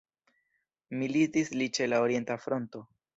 Militis li ĉe la orienta fronto.